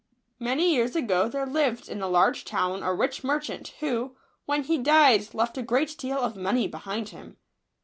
ANY years ago there lived in a large town a rich merchant, who, when he died, left a great deal of money behind him.